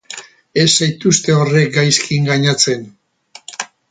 Ez zaituzte horrek gaizki engainatzen!